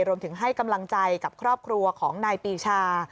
รวมถึงให้กำลังใจกับครอบครัวของนายปีชา